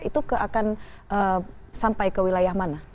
itu akan sampai ke wilayah mana